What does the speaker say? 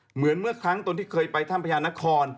เหมือนเมื่อครั้งต้องที่เคยไปท่านบริหารณคร